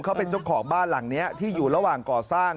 เขาเป็นเจ้าของบ้านหลังนี้ที่อยู่ระหว่างก่อสร้าง